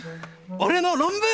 俺の論文！